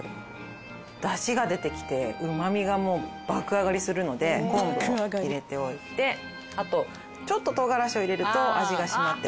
だしが出てきてうまみが爆上がりするので昆布を入れておいてあとちょっと唐辛子を入れると味が締まっておいしいです。